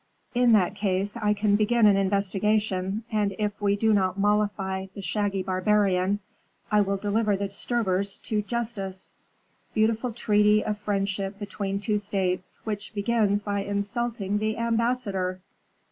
In that case I can begin an investigation, and if we do not mollify the shaggy barbarian I will deliver the disturbers to justice. Beautiful treaty of friendship between two states, which begins by insulting the ambassador!"